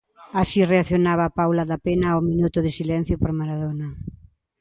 Así reaccionaba Paula Dapena ao minuto de silencio por Maradona.